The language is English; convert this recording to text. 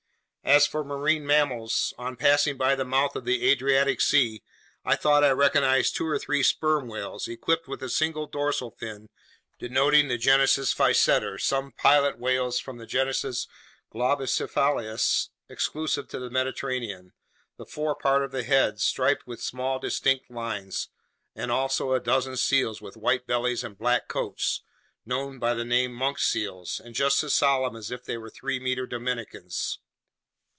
As for marine mammals, on passing by the mouth of the Adriatic Sea, I thought I recognized two or three sperm whales equipped with the single dorsal fin denoting the genus Physeter, some pilot whales from the genus Globicephalus exclusive to the Mediterranean, the forepart of the head striped with small distinct lines, and also a dozen seals with white bellies and black coats, known by the name monk seals and just as solemn as if they were three meter Dominicans.